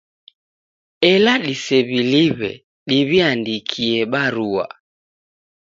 Ela disew'iliw'e, diw'iandikie barua